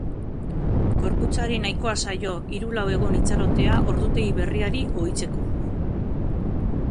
Gorputzari nahikoa zaio hiru-lau egun itxarotea ordutegi berriari ohitzeko.